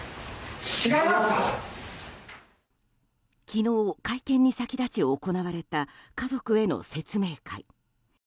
昨日、会見に先立ち行われた家族への説明会。